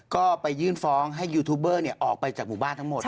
ก็ไปยื่นฟ้องให้ยูทูบเบอร์ออกไปจากหมู่บ้านทั้งหมด